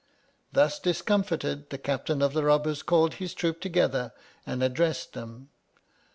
Thus discomfited, the Captain of the Bob bers called his troop together and addressed them.